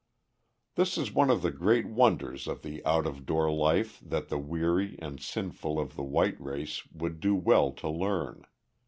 This is one of the great wonders of the out of door life that the weary and sinful of the white race would do well to learn.